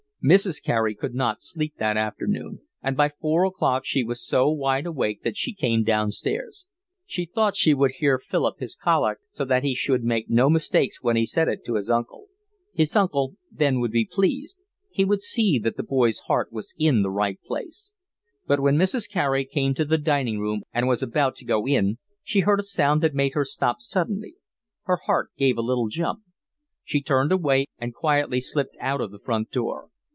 Mrs. Carey could not sleep that afternoon, and by four o'clock she was so wide awake that she came downstairs. She thought she would hear Philip his collect so that he should make no mistakes when he said it to his uncle. His uncle then would be pleased; he would see that the boy's heart was in the right place. But when Mrs. Carey came to the dining room and was about to go in, she heard a sound that made her stop suddenly. Her heart gave a little jump. She turned away and quietly slipped out of the front door.